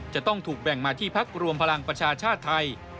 จะต้องถูกแบ่งมาที่พักรวมพลังประชาชาติไทย